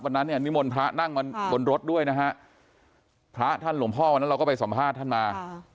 วันนั้นเนี่ยนิมนต์พระนั่งมาบนรถด้วยนะฮะพระท่านหลวงพ่อวันนั้นเราก็ไปสัมภาษณ์ท่านมา